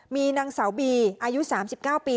มีนางสาวบีอายุ๓๙ปี